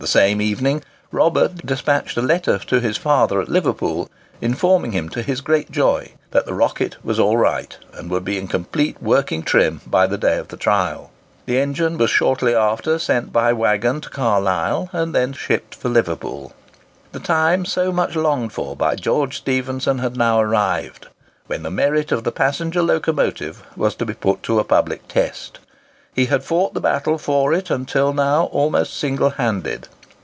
The same evening Robert despatched a letter to his father at Liverpool, informing him, to his great joy, that the "Rocket" was "all right," and would be in complete working trim by the day of trial. The engine was shortly after sent by waggon to Carlisle, and thence shipped for Liverpool. The time so much longed for by George Stephenson had now arrived, when the merit of the passenger locomotive was to be put to a public test. He had fought the battle for it until now almost single handed.